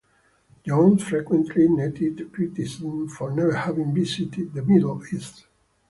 Jones frequently netted criticism for never having visited the Middle East.